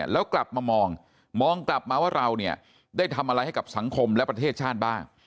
แล้วกลับมามองมองกลับมาว่าเราเนี่ยได้ทำอะไรให้กับสังคมและประเทศชาติบ้าง